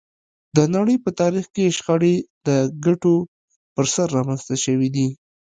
د نړۍ په تاریخ کې شخړې د ګټو پر سر رامنځته شوې دي